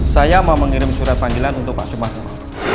saya mau mengirim surat panggilan untuk pak sumarmo